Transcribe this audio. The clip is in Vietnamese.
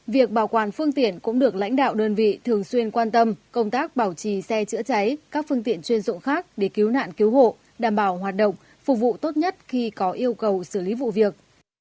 việc bảo quản phương tiện cũng được lãnh đạo đơn vị thường xuyên quan tâm công tác bảo trì xe chữa cháy các phương tiện chuyên dụng khác để cứu nạn cứu hộ đảm bảo hoạt động phục vụ tốt nhất khi có yêu cầu xử lý vụ việc